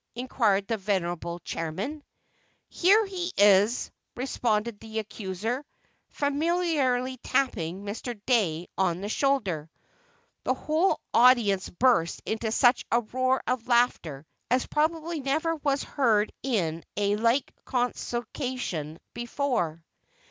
inquired the venerable Chairman. "Here he is," responded the accuser, familiarly tapping Mr. Dey on the shoulder. The whole audience burst into such a roar of laughter as probably never was heard in a like Consociation before.